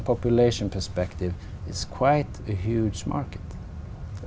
tôi muốn cố gắng tìm ra